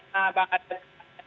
nah bang arya